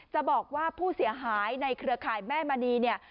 จะบอกว่าผู้เสียหายในเครือข่ายแม่มณีเนี่ย